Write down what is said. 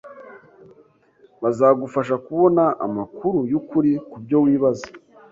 Bazagufasha kubona amakuru y’ukuri ku byo wibaza